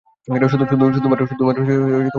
শুধুমাত্র স্বীকার করে নেওয়া হয়েছে।